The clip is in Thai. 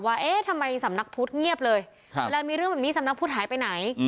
เอ๊ะทำไมสำนักพุทธเงียบเลยเวลามีเรื่องแบบนี้สำนักพุทธหายไปไหน